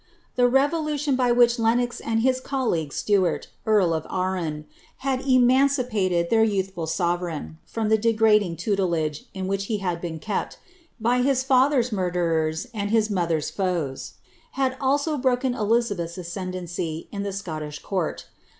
The revolution by which Lenox and his colleague Stuart, earl of Arran, had emancipated their youthful sovereign u'om the degrading tutelage in which he had been kept, by his father's murderers and his mother'? foes, had also broken Elizabeth's ascendancy in the Scottish coort.